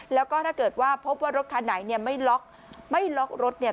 แล้วก็ถ้าเกิดว่าพบว่ารถคันไหนเนี่ยไม่ล็อกไม่ล็อกรถเนี่ย